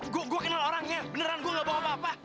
gue gue kenal orangnya beneran gue gak bawa apa apa